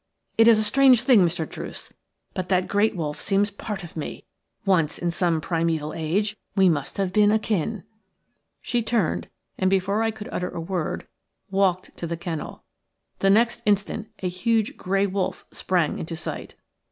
It is a strange thing, Mr. Druce, but that great wolf seems part of me. Once, in some primeval age, we must have been akin." She turned, and before I could utter a word walked to the kennel. The next instant a huge grey wolf sprang into sight.